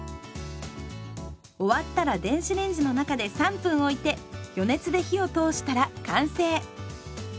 終わったら電子レンジの中で３分おいて余熱で火を通したら完成。